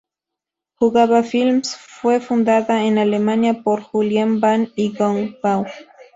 Juba Films fue fundada en Alemania por Julien Bam y Gong Bao.